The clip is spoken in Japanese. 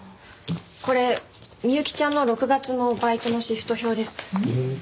これ美幸ちゃんの６月のバイトのシフト表です。